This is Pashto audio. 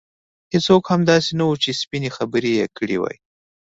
هېڅوک هم داسې نه وو چې سپینې خبرې یې کړې وای.